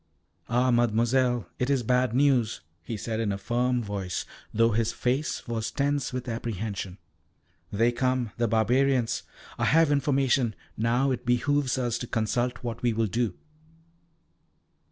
"Ah, Mademoiselle, it is bad news," he said in a firm voice, though his face was tense with apprehension. "They come, the barbarians. I have information, now it behoves us to consult what we will do."